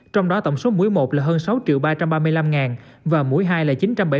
trong đó tổng số mũi một là hơn sáu ba trăm ba mươi năm và mũi hai là chín trăm bảy mươi một chín trăm linh